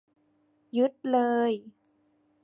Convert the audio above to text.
ยึดเลย